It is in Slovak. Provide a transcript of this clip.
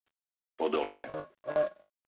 Podolie